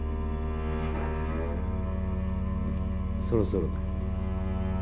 そろそろだ。